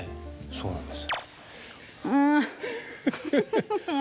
そうなんです。